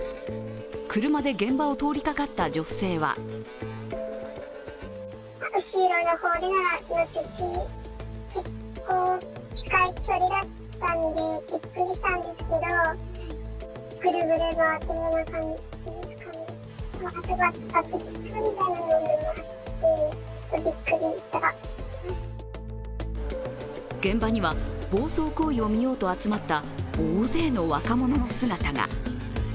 車で現場を通りかかった女性は現場には、暴走行為を見ようと集まった大勢の若者の姿が。